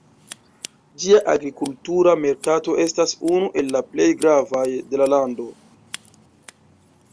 Ĝia agrikultura merkato estas unu el la plej gravaj de la lando.